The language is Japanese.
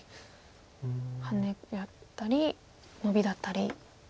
ハネだったりノビだったり。